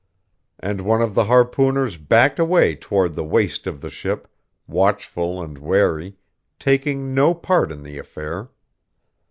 And one of the harpooners backed away toward the waist of the ship, watchful and wary, taking no part in the affair.